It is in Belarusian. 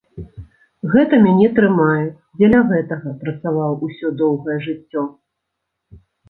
Гэта мяне трымае, дзеля гэтага працаваў усё доўгае жыццё.